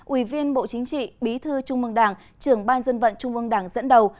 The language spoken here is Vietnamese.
ủy viên bộ chính trị bí thư trung mương đảng trưởng ban dân vận trung ương đảng dẫn đầu